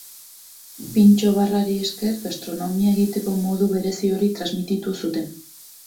Pintxo barrari esker gastronomia egiteko modu berezi hori transmititu zuten.